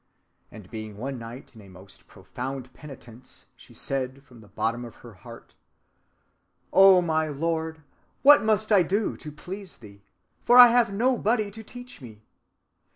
_ And being one night in a most profound penitence, she said from the bottom of her heart: 'O my Lord! What must I do to please thee? For I have nobody to teach me.